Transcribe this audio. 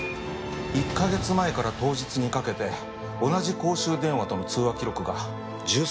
１カ月前から当日にかけて同じ公衆電話との通話記録が１３回ありました。